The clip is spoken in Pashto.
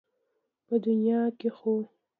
په دنيا کې خو